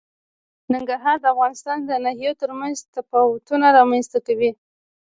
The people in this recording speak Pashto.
ننګرهار د افغانستان د ناحیو ترمنځ تفاوتونه رامنځ ته کوي.